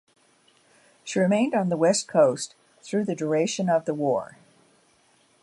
She remained on the West Coast through the duration of the war.